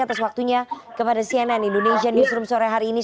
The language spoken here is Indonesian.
atas waktunya kepada cnn indonesia newsroom sore hari ini